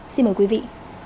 xin mời quý vị